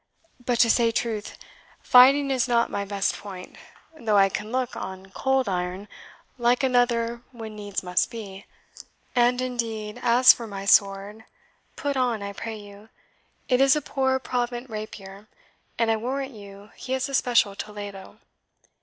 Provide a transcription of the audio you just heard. But to say truth, fighting is not my best point, though I can look on cold iron like another when needs must be. And indeed, as for my sword (put on, I pray you) it is a poor Provant rapier, and I warrant you he has a special Toledo.